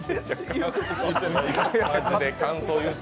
マジで感想言って。